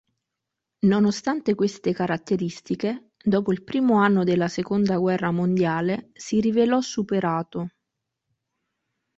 Nonostante queste caratteristiche, dopo il primo anno della seconda guerra mondiale si rivelò superato.